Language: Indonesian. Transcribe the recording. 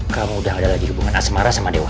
kamu udah ada lagi hubungan asmara sama dewa